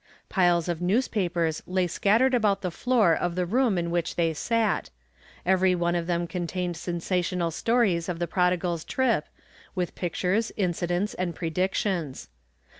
Piles of newspapers lay scattered about the floor of the room In which they sat. Every one of them contained sensational stories of the prodigal's trip, with pictures, incidents and predictions.